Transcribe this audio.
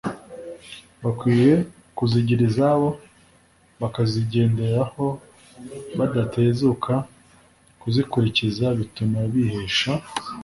bakwiye kuzigira izabo bakazigenderaho badatezuka. kuzikurikiza bituma bihesha